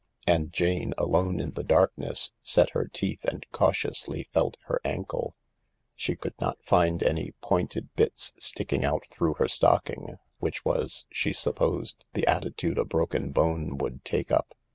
And Jane, alone in the darkness, set her teeth and cautiously felt her ankle ; she could not find any pointed bits sticking through her stocking, which was, she supposed, the attitude a broken bone would take up.